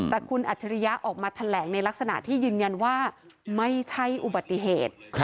แต่คุณอัจฉริยะออกมาแถลงในลักษณะที่ยืนยันว่าไม่ใช่อุบัติเหตุ